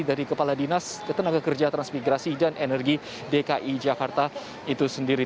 dari kepala dinas ketenaga kerja transmigrasi dan energi dki jakarta itu sendiri